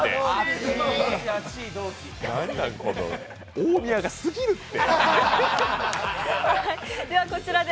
大宮がすぎるって。